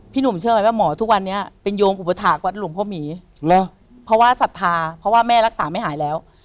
เพราะว่าศรัทธาเพราะว่าแม่รักษาไม่หายแล้ว